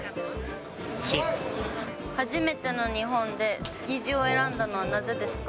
初めての日本で築地を選んだのはなぜですか。